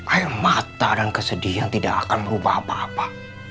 air mata dan kesedihan tidak akan merubah apa apa